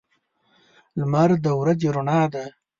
لمر د ورځې رڼا ده.